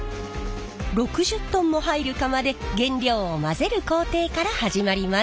６０ｔも入る釜で原料を混ぜる工程から始まります。